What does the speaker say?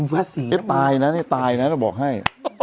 ไม่ได้ตายนะเราบอกให้